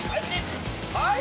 はい